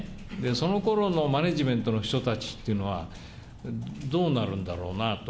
そのころのマネジメントの人たちってのは、どうなるんだろうなと。